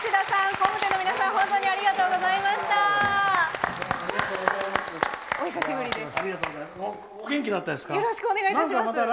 工務店の皆さん、本当にありがとうございました。